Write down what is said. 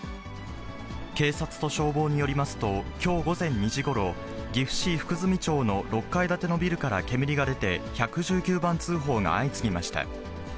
警察と消防によりますと、きょう午前２時ごろ、岐阜市福住町の６階建てのビルから煙が出て、１１９番通報が相次ぎました。